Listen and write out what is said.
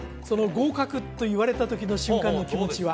合格と言われたときの瞬間の気持ちは？